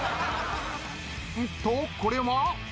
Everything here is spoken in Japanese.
とこれは？